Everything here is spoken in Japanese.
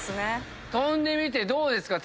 跳んでみてどうですか？